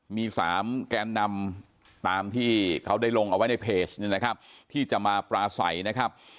มีสามแกนนำตามที่เขาได้ลงเอาไว้ในเพจที่จะมาปราสัยนะครับ